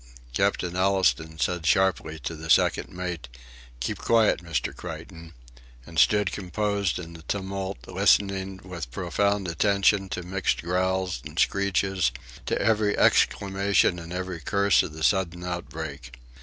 Captain Allistoun said sharply to the second mate: "Keep quiet, Mr. Creighton," and stood composed in the tumult, listening with profound attention to mixed growls and screeches, to every exclamation and every curse of the sudden outbreak.